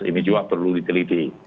ini juga perlu diteliti